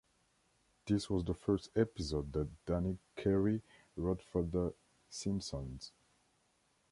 This was the first episode that Donick Cary wrote for "The Simpsons".